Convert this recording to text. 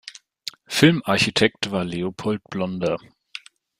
Filmarchitekt war Leopold Blonder.